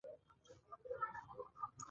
تیمورشاه له هغوی څخه غوښتي دي.